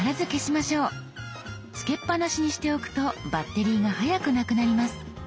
つけっぱなしにしておくとバッテリーが早くなくなります。